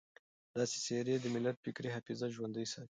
داسې څېرې د ملت فکري حافظه ژوندۍ ساتي.